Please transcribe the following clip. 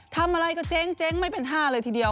ทำอะไรก็เจ๊งไม่เป็น๕เลยทีเดียว